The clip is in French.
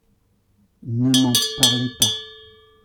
Ne m'en parlez pas !